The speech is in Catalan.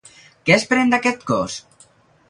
Què esperen d'aquest cos?